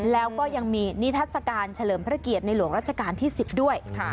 แล้วก็ยังมีนิทัศกาลเฉลิมพระเกียรติในหลวงรัชกาลที่๑๐ด้วย